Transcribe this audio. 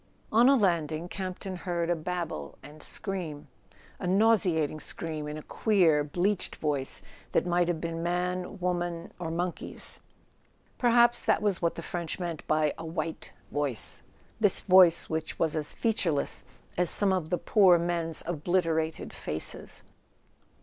On a landing Campton heard a babble and scream: a nauseating scream in a queer bleached voice that might have been man, woman or monkey's. Perhaps that was what the French meant by "a white voice": this voice which was as featureless as some of the poor men's obliterated faces!